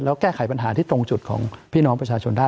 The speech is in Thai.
แล้วแก้ไขปัญหาที่ตรงจุดของพี่น้องประชาชนได้